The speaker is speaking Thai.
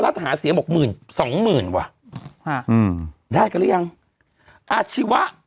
หาเสียงบอกหมื่นสองหมื่นว่ะฮะอืมได้กันหรือยังอาชีวะ